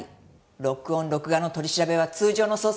「録音・録画の取り調べは通常の捜査とは違う」